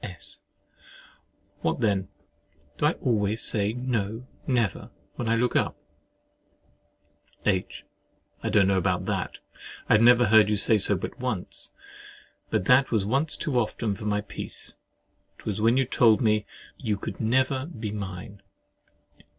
S. What then, do I always say—"No—never!" when I look up? H. I don't know about that—I never heard you say so but once; but that was once too often for my peace. It was when you told me, "you could never be mine."